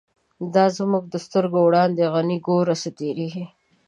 دا زمونږ د سترگو وړاندی، «غنی » گوره څه تیریږی